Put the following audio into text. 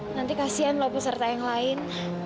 nanti kasian loh peserta yang lain